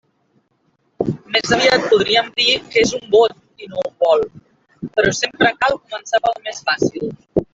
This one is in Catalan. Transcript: Més aviat podríem dir que és un bot i no un vol, però sempre cal començar pel més fàcil.